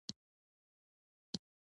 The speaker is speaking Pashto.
اور بل کړه ، د کوچي زریه !